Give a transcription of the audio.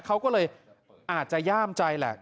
เขาก็เลยอาจจะย่ามใจแหละ